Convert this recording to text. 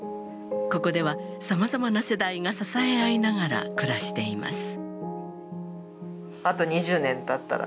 ここではさまざまな世代が支え合いながら暮らしています。